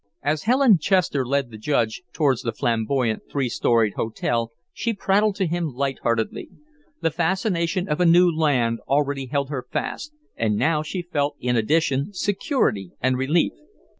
As Helen Chester led the Judge towards the flamboyant, three storied hotel she prattled to him light heartedly. The fascination of a new land already held her fast, and now she felt, in addition, security and relief.